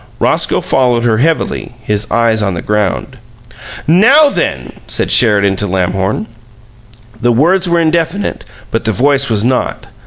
Roscoe followed her heavily, his eyes on the ground. "NOW THEN!" said Sheridan to Lamhorn. The words were indefinite, but the voice was not.